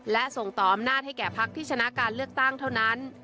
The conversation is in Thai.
และส่งต่ออำนาจให้แก่พักที่ชนะการเลือกตั้งเท่านั้น